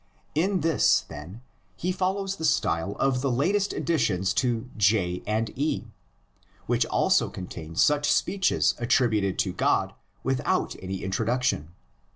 In this, then, he follows the style of the latest additions to JE, which also contain such speeches attributed to God without any introduc tion.